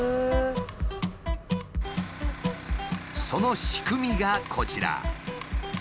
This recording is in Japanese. その仕組みがこちら。